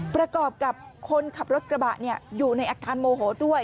ประกอบกับคนขับรถกระบะอยู่ในอาการโมโหด้วย